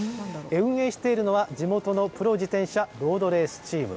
運営しているのは、地元のプロ自転車ロードレースチーム。